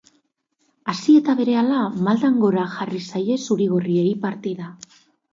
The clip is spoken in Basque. Hasi eta berehala, maldan gora jarri zaie zuri-gorriei partida.